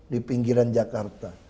di pinggiran jakarta